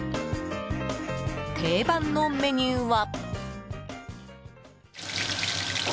定番のメニューは。